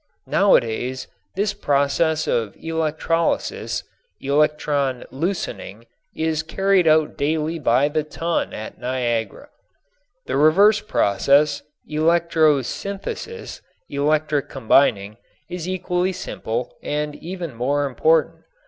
Nowadays this process of electrolysis (electric loosening) is carried out daily by the ton at Niagara. The reverse process, electro synthesis (electric combining), is equally simple and even more important.